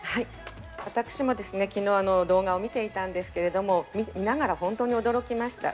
私も昨日、動画を見ていたんですけれども、見ながら本当に驚きました。